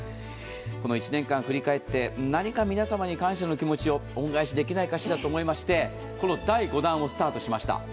この１年間振り返って、何か皆様に感謝の気持ちを恩返しできないかしらと思ってこの第５弾をスタートしました。